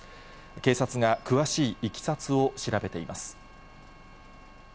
警察が詳しいいきさつを調べています。